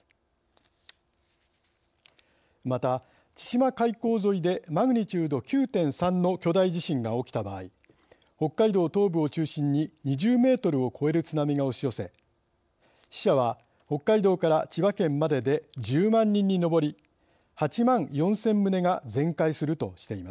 また千島海溝沿いでマグニチュード９．３の巨大地震が起きた場合北海道東部を中心に２０メートルを超える津波が押し寄せ死者は北海道から千葉県までで１０万人に上り８万４，０００棟が全壊するとしています。